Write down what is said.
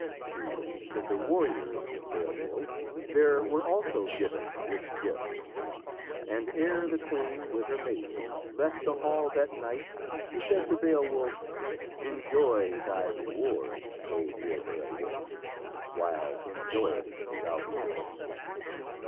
To each of the warriors of Beowulf there were also given rich gifts. And ere the queen, with her maidens, left the hall that night she said to Beowulf: "Enjoy thy reward, O dear Beowulf, while enjoy it thou canst.